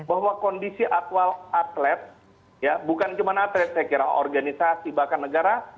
bahwa kondisi atlet ya bukan cuma atlet saya kira organisasi bahkan negara